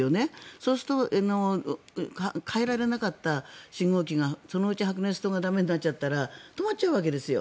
そうすると変えられなかった信号機がそのうち白熱灯が駄目になっちゃったら止まっちゃうわけですよ。